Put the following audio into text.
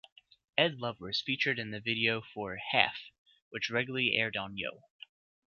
Ed Lover is featured in the video for "Half," which regularly aired on Yo!